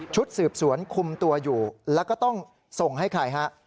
ชุดสืบสวนคุมตัวอยู่แล้วก็ต้องส่งให้ใครฮะ